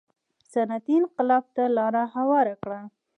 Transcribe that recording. صنعتي انقلاب ته لار هواره کړه.